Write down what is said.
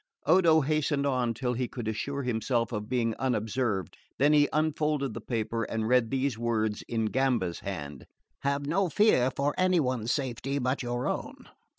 Odo hastened on till he could assure himself of being unobserved; then he unfolded the paper and read these words in Gamba's hand: "Have no fear for any one's safety but your own."